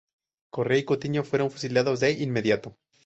Correa y Cuitiño fueron fusilados de inmediato.